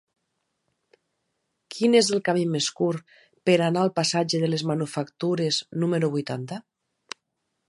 Quin és el camí més curt per anar al passatge de les Manufactures número vuitanta?